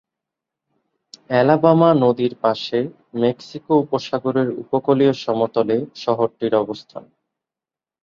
Alabama নদীর পাশে, Mexico উপসাগরের উপকূলীয় সমতলে শহরটির অবস্থান।